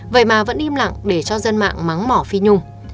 vậy mà vẫn im lặng để cho dân mạng mắng mỏ phi nhung